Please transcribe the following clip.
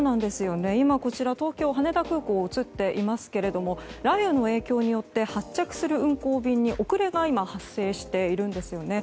今、東京・羽田空港が映っていますけれども雷雨の影響によって発着する運航便に遅れが今発生しているんですね。